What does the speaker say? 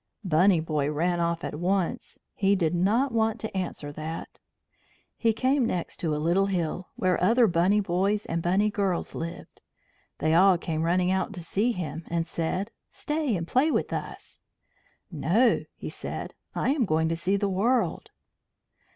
Bunny Boy ran off at once. He did not want to answer that. He came next to a little hill, where other Bunny Boys and Bunny Girls lived. They all came running out to see him, and said: "Stay and play with us." "No," he said; "I am going to see the world."